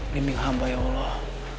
demi hamba ya allah